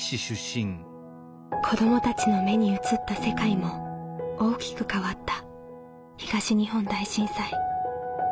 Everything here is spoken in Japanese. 子どもたちの目に映った世界も大きく変わった東日本大震災。